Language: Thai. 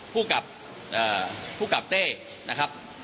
ผู้กำกับเต้นะครับ